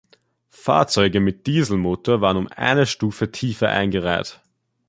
Fahrzeuge mit Dieselmotor waren um eine Stufe tiefer eingereiht.